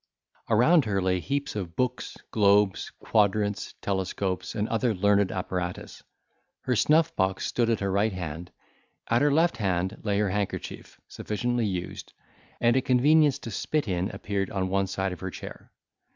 Around her lay heaps of books, globes, quadrants, telescopes, and other learned apparatus; her snuff box stood at her right hand: at her left hand lay her handkerchief, sufficiently used, and a convenience to spit in appeared on one side of her chair.